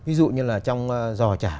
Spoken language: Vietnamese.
ví dụ như là trong giò trả